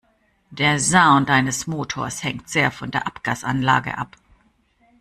Der Sound eines Motors hängt sehr von der Abgasanlage ab.